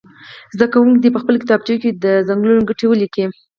زده کوونکي دې په خپلو کتابچو کې د څنګلونو ګټې ولیکي.